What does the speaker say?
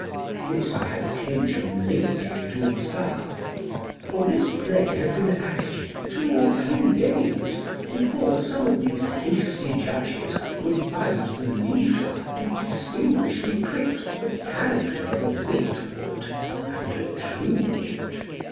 This I had occasion lately to observe: for this play had been acted two or three days before some of these hasty judges could find the leisure to distinguish betwixt the character of a Witwoud and a Truewit.